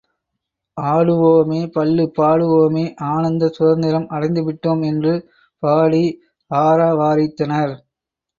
ஆடுவோமே பள்ளுப் பாடுவோமே ஆனந்த சுதந்திரம் அடைந்து விட்டோம் என்று பாடி ஆரவாரித்தனர்.